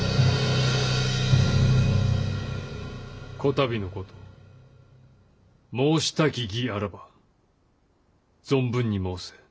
此度のこと申したき儀あらば存分に申せ。